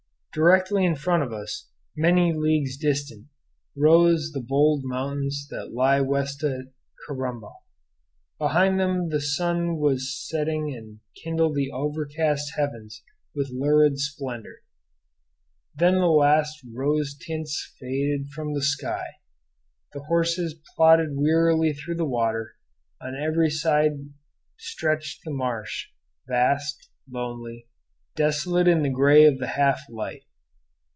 Directly in front of us, many leagues distant, rose the bold mountains that lie west of Corumba. Behind them the sun was setting and kindled the overcast heavens with lurid splendor. Then the last rose tints faded from the sky; the horses plodded wearily through the water; on every side stretched the marsh, vast, lonely, desolate in the gray of the half light.